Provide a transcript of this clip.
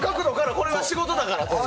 これは仕事だからと。